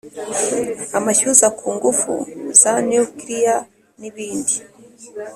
amashyuza ku ngufu za nuclear n ibindi